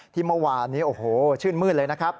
ที่เมื่อวานนี้โอ้โหชื่นมืดเลยนะครับ